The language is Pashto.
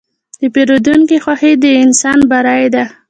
د پیرودونکي خوښي د انسان بری ده.